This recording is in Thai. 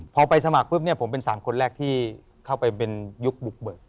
พอไปสมัครปุ๊บเนี่ยผมเป็น๓คนแรกที่เข้าไปเป็นยุคบุกเบิก